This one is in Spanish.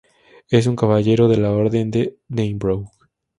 Es un Caballero de la Orden de Dannebrog.